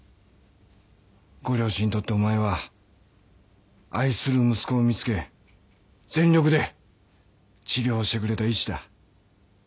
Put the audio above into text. ご両親にとってお前は愛する息子を見つけ全力で治療をしてくれた医師だ。